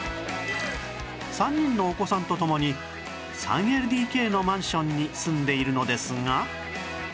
３人のお子さんと共に ３ＬＤＫ のマンションに住んでいるのですが